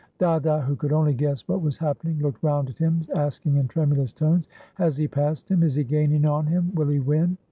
Dada, who could only guess what was happening, looked round at him, asking in tremulous tones: " Has he passed him? Is he gaining on him? Will he win?"